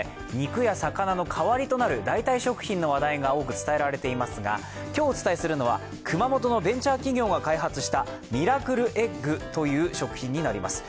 肉や魚の代わりとなる代替食品の話題が多く伝えられていますが、今日お伝えするのは熊本のベンチャー企業が開発したミラクルエッグという代替食品です。